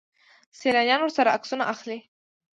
سیلانیان ورسره عکسونه اخلي.